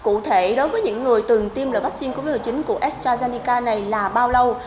cụ thể đối với những người từng tiêm lỡ vaccine covid một mươi chín của astrazeneca này là bao lâu